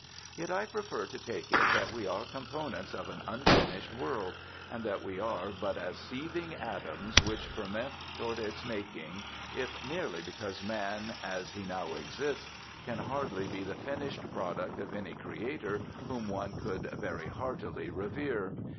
Yet I prefer to take it that we are components of an unfinished world, and that we are but as seething atoms which ferment toward its making, if merely because man as he now exists can hardly be the finished product of any Creator whom one could very heartily revere.